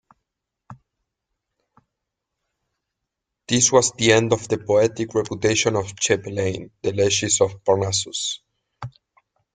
This was the end of the poetic reputation of Chapelain, the legist of Parnassus.